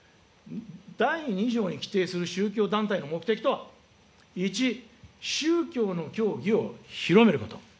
第２条に規定する宗教団体の目的とは１、宗教の教義を広めること。